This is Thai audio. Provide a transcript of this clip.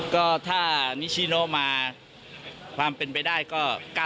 ก็ถ้านิชิโนมาความเป็นไปได้ก็๙๐